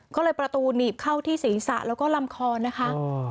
ก็เลยประตูหนีบเข้าที่ศีรษะแล้วก็ลำคอนะคะ